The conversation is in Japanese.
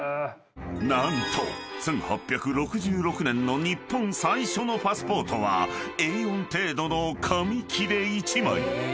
［何と１８６６年の日本最初のパスポートはＡ４程度の紙切れ１枚］